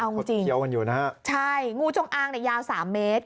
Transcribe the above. เอาจริงใช่งูจงอางเนี่ยยาว๓เมตร